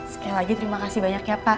sekali lagi terima kasih banyak ya pak